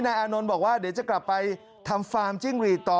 อานนท์บอกว่าเดี๋ยวจะกลับไปทำฟาร์มจิ้งหรีดต่อ